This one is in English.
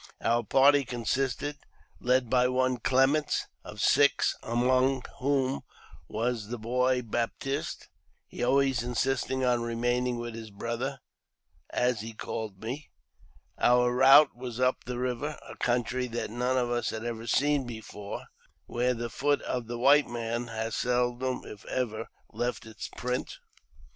Our party consisted, led by one Clements, of six, among whom was the boy Baptiste, he always insisting on remaining with his brother (as he called me). Our route was up the river — a country that none of us had ever seen before — where the foot of the white man had seldom, if ever, left its print.